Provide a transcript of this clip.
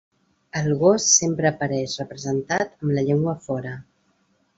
El gos sempre apareix representat amb la llengua fora.